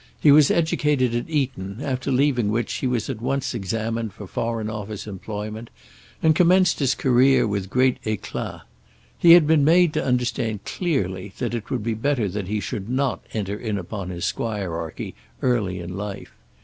He was educated at Eton, after leaving which he was at once examined for Foreign Office employment, and commenced his career with great éclat. He had been made to understand clearly that it would be better that he should not enter in upon his squirearchy early in life.